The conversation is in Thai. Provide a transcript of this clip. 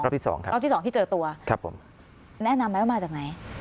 ที่สองครับรอบที่สองที่เจอตัวครับผมแนะนำไหมว่ามาจากไหน